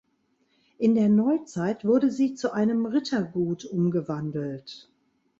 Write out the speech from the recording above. In der Neuzeit wurde sie zu einem Rittergut umgewandelt.